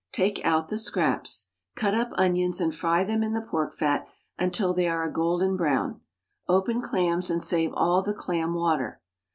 Take out the scraps. Cut up onions and fry them in the pork fat until they are a golden brown. Open clams and save all the clam water.